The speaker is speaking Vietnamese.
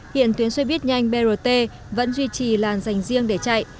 hiện tuyến xe buýt nhanh brt vẫn duy trì làn dành riêng để chạy